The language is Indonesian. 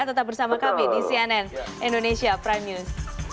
tetap bersama kami di cnn indonesia prime news